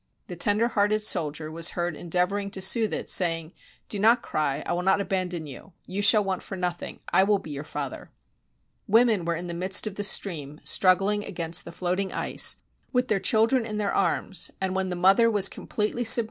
The tender hearted soldier was heard endeavoring to soothe it, say ing, "Do not cry. I will not abandon you. You shall want for nothing. I will be your father," Women were in the midst of the stream, struggling against the floating ice, with their children in their 130 PASSAGE OF THE BERESINA PASSAGE OF THE BERESINA BY J. H.